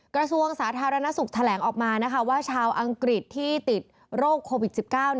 กระทรวงสาธารณสุขแถลงออกมาว่าชาวอังกฤษที่ติดโรคโควิด๑๙